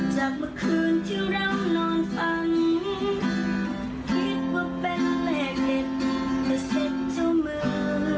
จากเมื่อคืนที่เรานอนฟังคิดว่าเป็นเลขเด็ดจะเสร็จเจ้ามือ